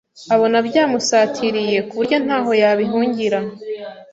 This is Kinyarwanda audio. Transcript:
Abona byamusatiriye ku buryo ntaho yabihungira